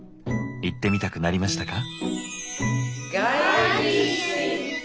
行ってみたくなりましたか？